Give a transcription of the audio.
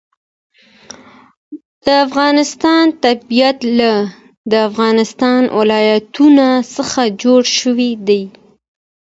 د افغانستان طبیعت له د افغانستان ولايتونه څخه جوړ شوی دی.